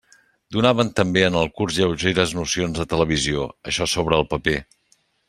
Donaven també en el curs lleugeres nocions de televisió, això sobre el paper.